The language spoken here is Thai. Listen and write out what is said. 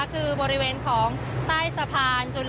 คือบริเวณของใต้สะพาน